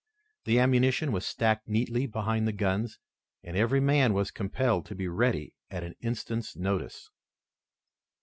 The ammunition was stacked neatly behind the guns, and every man was compelled to be ready at an instant's notice.